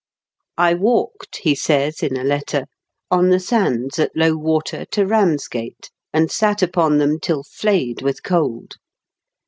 I walked," he says, in a letter, " on the sands at low water to Eams gate, and sat upon them till flayed with cold."